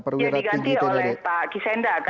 dia diganti oleh pak kisenda kan